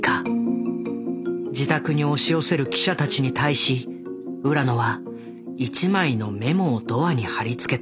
自宅に押し寄せる記者たちに対し浦野は一枚のメモをドアに貼り付けた。